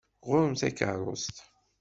Ɣur-m takeṛṛust!